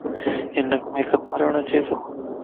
ھنک ميڪ اب ڪرڻ اچي تو